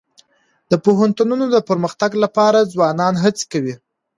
د پوهنتونونو د پرمختګ لپاره ځوانان هڅي کوي.